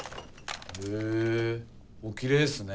へえおきれいですね。